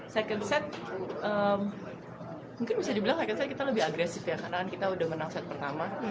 second serve mungkin bisa dibilang kita agresif ya karena kita udah menang set pertama